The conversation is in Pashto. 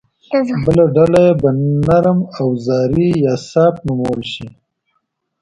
بله ډله یې به نرم اوزاري یا سافټ نومول شي